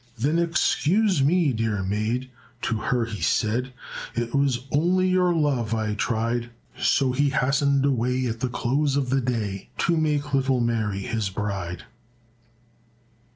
"Then excuse me, dear maid," to her he said, "It was only your love I tried." So he hastened away at the close of the day To make little Mary his bride.